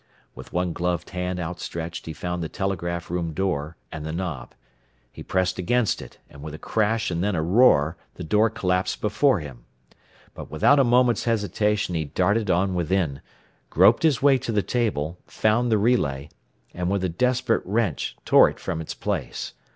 With one gloved hand outstretched he found the telegraph room door, and the knob. He pressed against it, and with a crash and then a roar the door collapsed before him. But without a moment's hesitation he darted on within, groped his way to the table, found the relay, and with a desperate wrench tore it from its place.